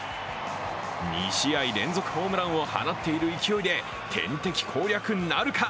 ２試合連続ホームランを放っている勢いで天敵攻略なるか。